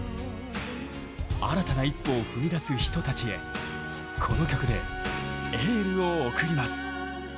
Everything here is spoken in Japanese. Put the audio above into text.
新たな一歩を踏み出す人たちへこの曲でエールを送ります。